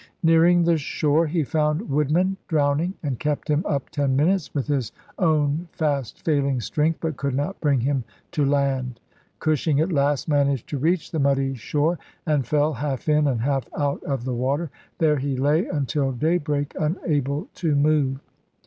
Nearing the shore, he found Woodman drowning, and kept him up ten minutes with his own fast failing strength, but could not bring him to land. Cushing at last managed to reach the muddy shore, and fell, half in and half out of the water ; there he lay until daybreak, unable to move. Oct.